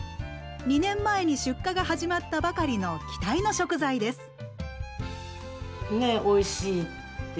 ２年前に出荷が始まったばかりの期待の食材です。